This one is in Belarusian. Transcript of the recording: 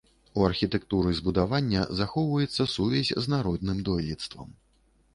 У архітэктуры збудавання захоўваецца сувязь з народным дойлідствам.